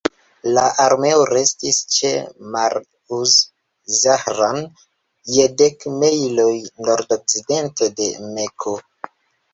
La armeo restis ĉe Marr-uz-Zahran, je dek mejloj nordokcidente de Mekko.